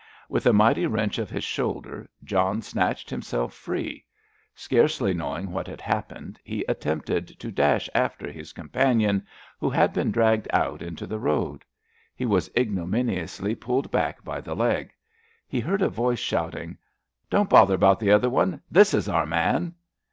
With a mighty wrench of his shoulder John snatched himself free. Scarcely knowing what had happened, he attempted to dash after his companion, who had been dragged out into the road. He was ignominiously pulled back by the leg. He heard a voice shouting: "Don't bother about the other one—this is our man!"